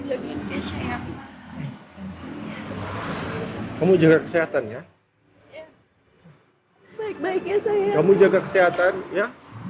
hai lagi ngeceh kamu jaga kesehatannya baik baiknya saya kamu jaga kesehatan ya